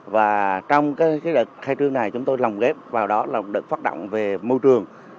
và trong cái khai trương này chúng tôi lòng ghép vào đó là một đợt phát động về môi trường